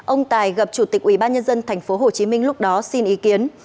ông tài gặp chủ tịch ubnd tp hcm lúc đó xin ý kiến